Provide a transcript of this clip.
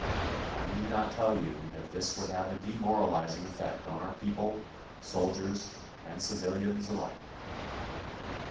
I need not tell you that this would have a demoralizing effect on our people, soldiers and civilians alike.